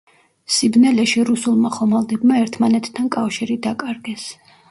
სიბნელეში რუსულმა ხომალდებმა ერთმანეთთან კავშირი დაკარგეს.